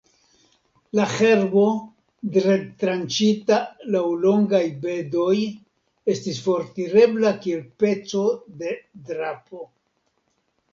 La herbo, detranĉita laŭ longaj bedoj, estis fortirebla kiel peco de drapo.